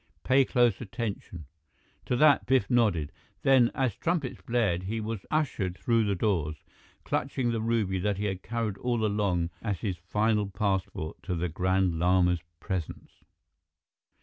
Pay close attention." To that, Biff nodded. Then, as trumpets blared, he was ushered through the doors, clutching the ruby that he had carried all along as his final passport to the Grand Lama's presence.